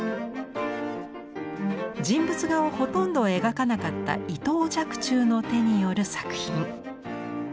人物画をほとんど描かなかった伊藤若冲の手による作品。